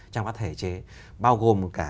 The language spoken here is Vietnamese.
trong các thể chế bao gồm cả